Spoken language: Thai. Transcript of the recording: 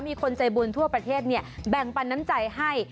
มีคนใจบุญทั่วประเทศแบ่งปันน้ำใจให้